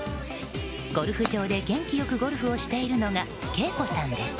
ゴルフ場で元気よくゴルフをしているのがＫＥＩＫＯさんです。